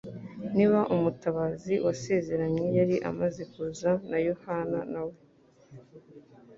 Niba umutabazi wasezeranywe yari amaze kuza na Yohana nawe